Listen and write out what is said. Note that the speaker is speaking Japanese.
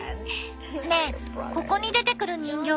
ねえここに出てくる人形